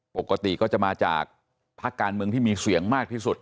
ปกติก็จะมาจากพักการเมืองที่มีเสียงมากที่สุด